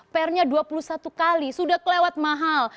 pr nya dua puluh satu kali sudah kelewat mahal